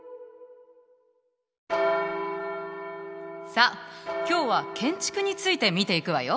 さあ今日は建築について見ていくわよ。